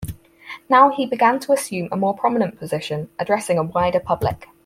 Now he began to assume a more prominent position, addressing a wider public.